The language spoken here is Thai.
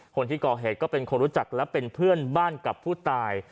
คนที่ก่อเหตุก็เป็นคนรู้จักและเป็นเพื่อนบ้านกับผู้ตาย